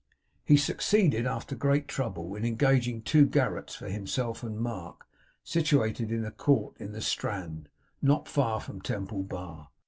He succeeded, after great trouble, in engaging two garrets for himself and Mark, situated in a court in the Strand, not far from Temple Bar.